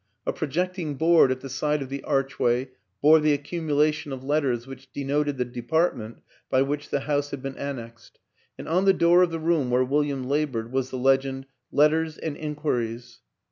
A project ing board at the side of the archway bore the accumulation of letters which denoted the depart ment by which the house had been annexed, and on the door of the room where William labored was the legend " Letters and Enquiries."